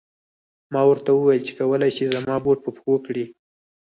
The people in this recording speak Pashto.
ما ورته و ویل چې کولای شې زما بوټ په پښو کړې.